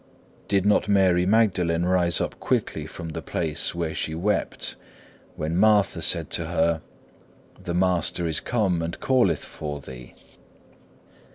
Did not Mary Magdalene rise up quickly from the place where she wept when Martha said to her, The Master is come and calleth for thee?